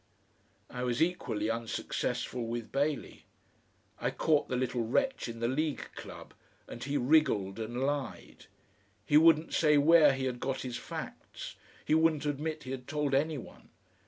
I was equally unsuccessful with Bailey. I caught the little wretch in the League Club, and he wriggled and lied. He wouldn't say where he had got his facts, he wouldn't admit he had told any one.